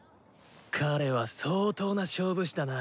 彼は相当な勝負師だな。